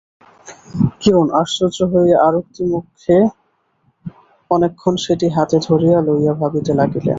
কিরণ আশ্চর্য হইয়া আরক্তিমমুখে অনেকক্ষণ সেটি হাতে করিয়া লইয়া ভাবিতে লাগিলেন।